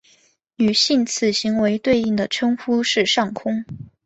女性此行为对应的称呼是上空。